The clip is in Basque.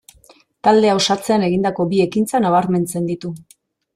Taldea osatzean egindako bi ekintza nabarmentzen ditu.